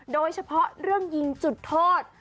โดยเฉพาะเรื่องยิงจุดโทษ